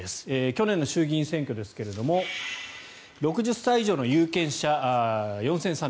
去年の衆議院選挙ですが６０歳以上の有権者４３３１万人。